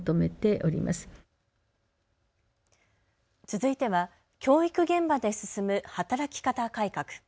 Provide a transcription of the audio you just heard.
続いては教育現場で進む働き方改革。